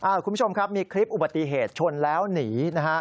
คุณผู้ชมครับมีคลิปอุบัติเหตุชนแล้วหนีนะฮะ